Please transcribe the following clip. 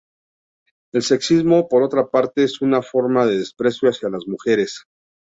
El sexismo, por otra parte, es una forma de desprecio hacia las mujeres.